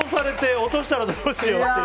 落としたらどうしようって。